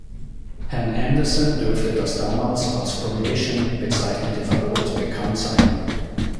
Herrn Andersson dürfte das damals als prohibition bezeichnete Verbot bekannt sein.